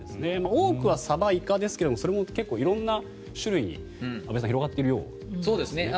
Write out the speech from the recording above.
多くはサバ、イカですがそれも色んな種類に安部さん広がっているようですね。